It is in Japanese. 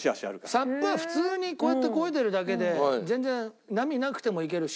ＳＵＰは普通にこうやって漕いでるだけで全然波なくてもいけるし。